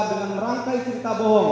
dengan merangkai sifat bohong